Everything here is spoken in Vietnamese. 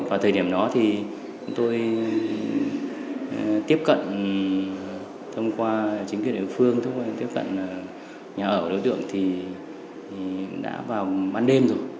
và thời điểm đó thì tôi tiếp cận thông qua chính quyền địa phương thông qua chính quyền tiếp cận nhà ở của đối tượng thì đã vào ban đêm rồi